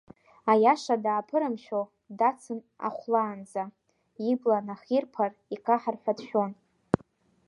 Аиаша дааԥырымшәо дацын аахәлаанӡа, ибла нахирԥар икаҳар ҳәа дшәон…